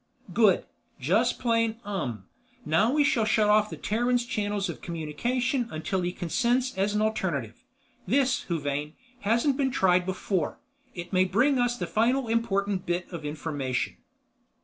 "Good. Just plain 'Um m m.' Now we shall shut off the Terran's channels of communication until he consents as an alternative. This, Huvane, hasn't been tried before. It may bring us the final important bit of information."